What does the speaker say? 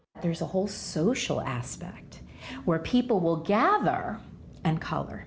ada aspek sosial yang membuat orang orang mengumpulkan dan mengukur